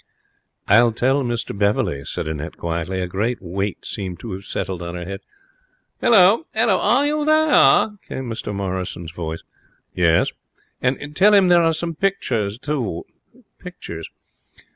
'I'll tell Mr Beverley,' said Annette, quietly. A great weight seemed to have settled on her head. 'Halloa! Halloa! Are you there?' came Mr Morrison's voice. 'Yes?' 'And tell him there are some pictures, too.' 'Pictures?'